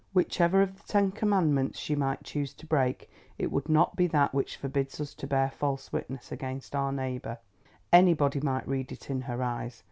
Whichever of the ten commandments she might choose to break, it would not be that which forbids us to bear false witness against our neighbour. Anybody might read it in her eyes.